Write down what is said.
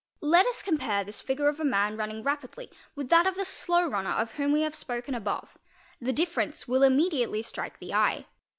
Let us compare this figure of a man running rapidly with that of the slow runner of whom we have spoken above; the difference will immediately strike the eye.